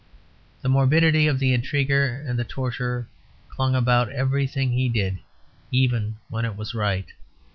The morbidity of the intriguer and the torturer clung about everything he did, even when it was right.